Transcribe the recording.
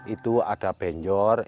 itu ada penjor